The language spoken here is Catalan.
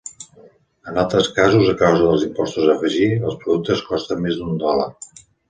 En altres casos, a causa dels impostos a afegir, els productes costen més d'un dòlar.